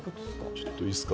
ちょっといいっすか。